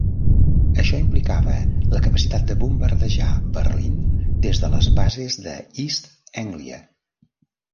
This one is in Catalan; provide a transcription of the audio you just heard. Això implicava la capacitat de bombardejar Berlín des de bases a East Anglia.